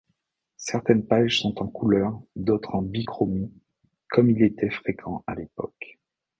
Certaines pages sont en couleurs d’autres en bichromie, comme il était fréquent à l’époque.